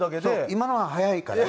今のは早いかな。